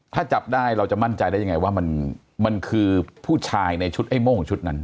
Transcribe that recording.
ถ้าจับได้เราจะมั่นใจได้ยังไงว่ามันคือผู้ชายในชุดไอ้โม่งชุดนั้น